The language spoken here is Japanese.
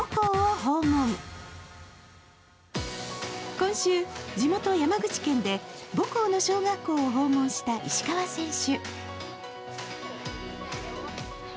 今週、地元・山口県で母校の小学校を訪問した石川選手。